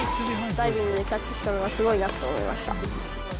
ダイビングでキャッチしたのがすごいなと思いました。